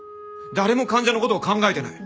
誰も患者の事を考えてない。